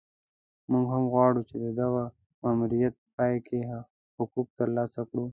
موږ هم غواړو چې د دغه ماموریت په پای کې حقوق ترلاسه کړو.